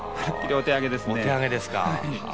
お手上げですか。